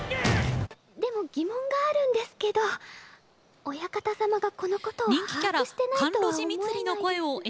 でも疑問があるんですけど親方様がこのことを把握してないとは思えないです。